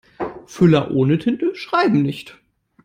Füller ohne Tinte schreiben nicht.